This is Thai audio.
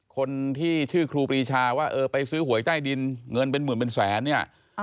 คนที่ชื่อครูปรีชาว่าเออไปซื้อหวยใต้ดินเงินเป็นหมื่นเป็นแสนเนี่ย